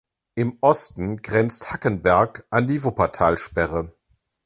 Im Osten grenzt Hackenberg an die Wuppertalsperre.